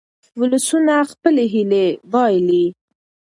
ولسونه خپلې هیلې بایلي.